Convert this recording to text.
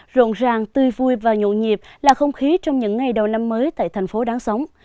rộn ràng tươi vui và nhộn nhịp là không khí trong những ngày đầu năm mới tại thành phố đáng sống